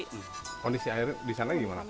kondisi air di sana gimana